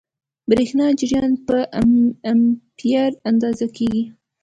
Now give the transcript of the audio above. برېښنايي جریان په امپیر اندازه کېږي.